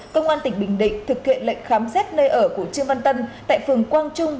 công an tỉnh bình định thực hiện lệnh khám xét nơi ở của trương văn tân tại phường quang trung